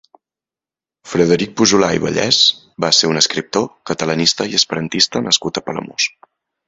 Frederic Pujulà i Vallès va ser un escriptor, catalanista i esperantista nascut a Palamós.